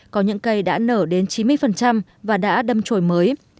có những cây đã nở đến chín mươi và đã đâm trồi mới